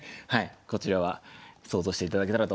こちらは想像して頂けたらと思います。